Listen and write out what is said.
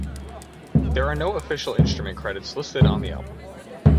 There are no official instrument credits listed on the album.